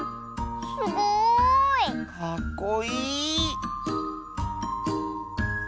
すごい！かっこいい！